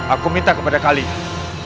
aku minta kepada kalian